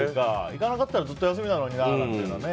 行かなかったらずっと休みなのになって思うのにね。